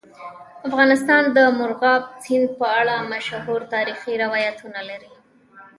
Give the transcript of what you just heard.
افغانستان د مورغاب سیند په اړه مشهور تاریخی روایتونه لري.